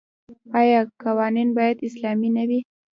آیا قوانین باید اسلامي نه وي؟